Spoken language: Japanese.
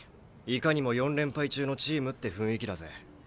いかにも４連敗中のチームって雰囲気だぜ。